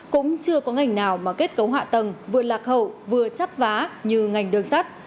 cũng chưa có ngành nào mà kết cấu hạ tầng vừa lạc hậu vừa chấp vá như ngành đường sắt